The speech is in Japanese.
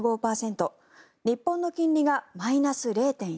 日本の金利がマイナス０．１％